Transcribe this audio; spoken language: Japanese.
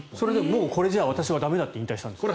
もうこれじゃ私は駄目だって引退したんですよ。